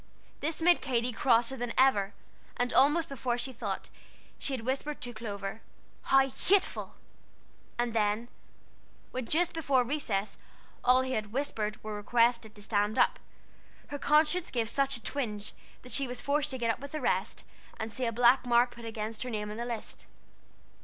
This made Katy crosser than ever; and almost before she thought, she had whispered to Clover, "How hateful!" And then, when just before recess all who had "communicated" were requested to stand up, her conscience gave such a twinge that she was forced to get up with the rest, and see a black mark put against her name on the list.